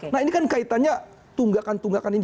nah ini kan kaitannya tunggakan tunggakan ini